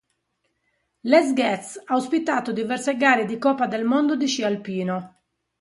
Les Gets ha ospitato diverse gare di Coppa del mondo di sci alpino.